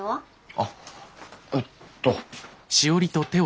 あっえっと。